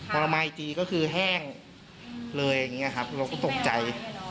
พอไม้จีก็คือแห้งเลยเราก็ตกใจ